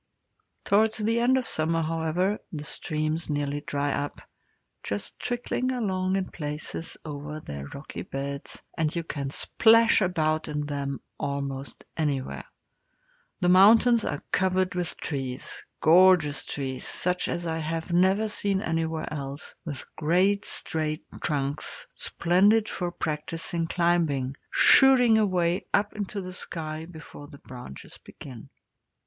Towards the end of summer, however, the streams nearly dry up, just trickling along in places over their rocky beds, and you can splash about in them almost anywhere. The mountains are covered with trees gorgeous trees, such as I have never seen anywhere else with great straight trunks, splendid for practising climbing, shooting away up into the sky before the branches begin.